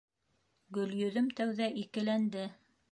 Гөлйөҙөм тәүҙә икеләнде: